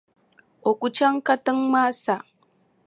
O ku chaŋ katiŋa maa sa.